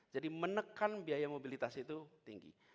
jadi menekan biaya mobilitas itu tinggi